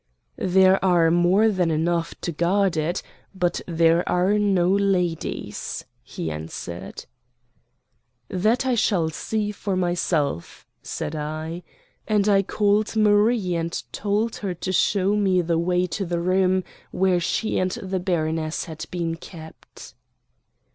"There are more than enough to guard it; but there are no ladies," he answered. "That I shall see for myself," said I, and I called Marie and told her to show me the way to the room where she and the baroness had been kept.